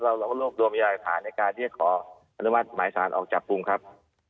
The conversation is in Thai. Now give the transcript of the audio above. เราก็โลกรวมใหญ่ผ่านในการเรียกขออนุมัติหมายสารออกจับกุมครับ